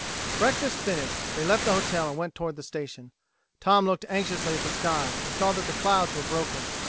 Breakfast finished, they left the hotel and went toward the station. Tom looked anxiously at the sky, and saw that the clouds were broken.